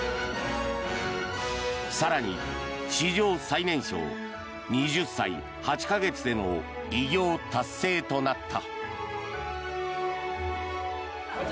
更に、史上最年少２０歳８か月での偉業達成となった。